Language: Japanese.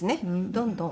どんどん。